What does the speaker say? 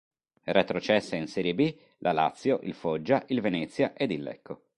Retrocesse in Serie B la Lazio, il Foggia, il Venezia ed il Lecco.